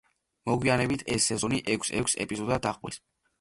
მოგვიანებით ეს სეზონი ექვს-ექვს ეპიზოდად დაყვეს.